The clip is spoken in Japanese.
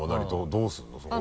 どうするの？